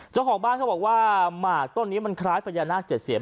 เจ้าของบ้านเขาบอกว่าหมากต้นนี้มันคล้ายพญานาค๗เสียม